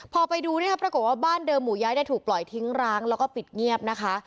พอไปดูปรากฏว่าบ้านเดิมหมู่ย้ายถูกปล่อยทิ้งร้างแล้วก็ปิดเงียบนะคะ